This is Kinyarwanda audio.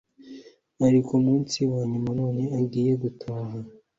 ari kumunsi wanyuma none agiye gutaha